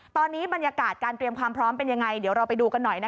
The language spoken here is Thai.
ตอนนี้บรรยากาศการเตรียมความพร้อมเป็นยังไงเดี๋ยวเราไปดูกันหน่อย